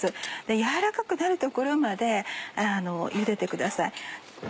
柔らかくなるところまでゆでてください。